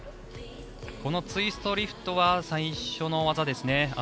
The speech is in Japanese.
このツイストリフトは最初の技ですね。